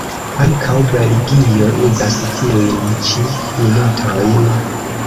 Ankaŭ Belgio uzas tiujn ĉi minutojn.